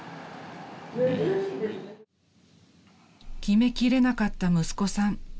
［決めきれなかった息子さん］